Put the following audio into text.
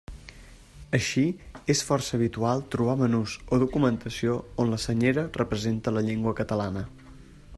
Així, és força habitual trobar menús o documentació on la Senyera representa la llengua catalana.